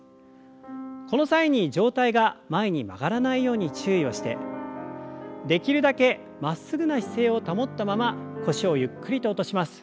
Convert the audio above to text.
この際に上体が前に曲がらないように注意をしてできるだけまっすぐな姿勢を保ったまま腰をゆっくりと落とします。